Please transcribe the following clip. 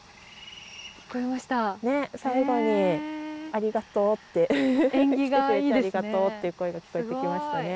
ありがとうって来てくれてありがとうっていう声が聞こえてきましたね。